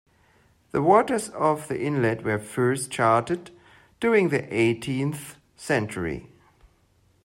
The waters of the inlet were first charted during the eighteenth century.